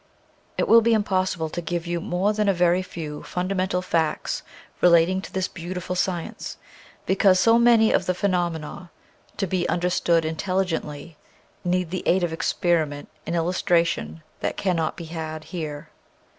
It will be impossible to give you more than a very few fundamental facts relating to this beautiful science, because so many of the phenomena, to be understood intelligently, need the aid of experiment and illustration that cannot be had here.